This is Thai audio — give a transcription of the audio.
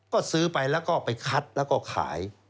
ก็ซื้อไปแล้วก็ไปคัดแล้วก็ขาย